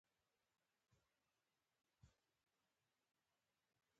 دا هغه څلور لارې ده چې عرب پسرلی پیل شو.